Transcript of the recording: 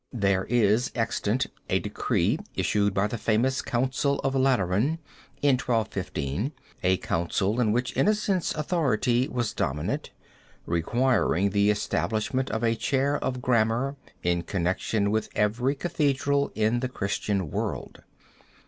There is extant a decree issued by the famous council of Lateran, in 1215, a council in which Innocent's authority was dominant, requiring the establishment of a Chair of Grammar in connection with every cathedral in the Christian world.